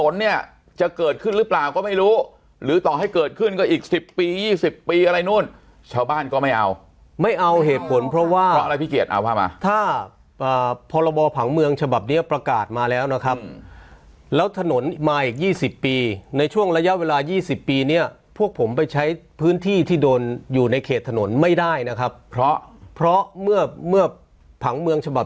เนี่ยจะเกิดขึ้นหรือเปล่าก็ไม่รู้หรือต่อให้เกิดขึ้นก็อีก๑๐ปี๒๐ปีอะไรนู่นชาวบ้านก็ไม่เอาไม่เอาเหตุผลเพราะว่าเพราะอะไรพี่เกียจเอาภาพมาถ้าพรบผังเมืองฉบับเนี้ยประกาศมาแล้วนะครับแล้วถนนมาอีก๒๐ปีในช่วงระยะเวลา๒๐ปีเนี่ยพวกผมไปใช้พื้นที่ที่โดนอยู่ในเขตถนนไม่ได้นะครับเพราะเพราะเมื่อเมื่อผังเมืองฉบับ